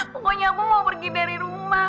pokoknya aku mau pergi dari rumah